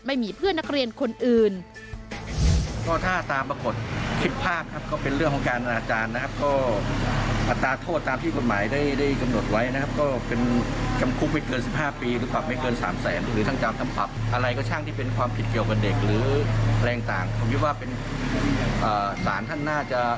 ไม่มีเพื่อนนักเรียนคนอื่น